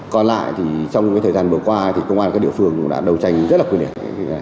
còn lại thì trong cái thời gian vừa qua thì công an các địa phương cũng đã đấu tranh rất là quy định